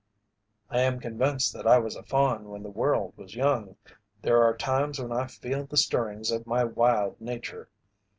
"I am convinced that I was a faun when the world was young. There are times when I feel the stirrings of my wild nature."